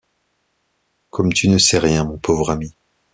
Comme tu ne sais rien, mon pauvre ami.